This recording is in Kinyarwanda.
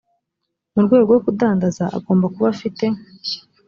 mu rwego rwo kudandaza agomba kuba afite